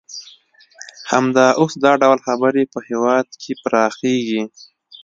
همدا اوس دا ډول خبرې په هېواد کې پراخیږي